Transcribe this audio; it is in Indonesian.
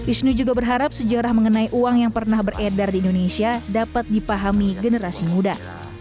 isnu juga berharap sejarah mengenai uang yang pernah beredar di indonesia dapat dipahami generasi muda